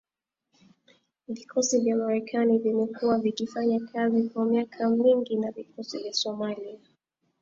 Vikosi vya Marekani vimekuwa vikifanya kazi kwa miaka mingi na vikosi vya Somalia